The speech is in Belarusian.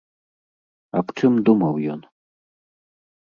Аб чым думаў ён?